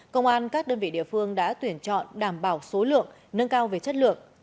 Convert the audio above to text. công an các đơn vị địa phương đã tuyển chọn đảm bảo số lượng nâng cao về chất lượng